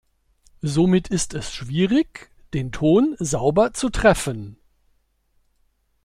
Somit ist es schwierig, den Ton sauber zu treffen.